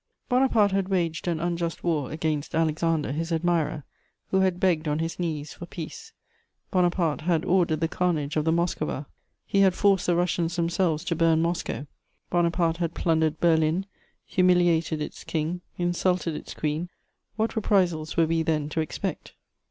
Bonaparte had waged an unjust war against Alexander, his admirer, who had begged on his knees for peace; Bonaparte had ordered the carnage of the Moskowa; he had forced the Russians themselves to bum Moscow; Bonaparte had plundered Berlin, humiliated its King, insulted its Queen: what reprisals were we, then, to expect?